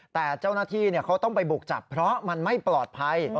แต่เจ้าหน้าที่เขาต้องไปบุกจับเพราะมันไม่ปลอดภัย